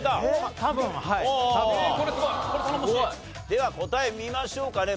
では答え見ましょうかね。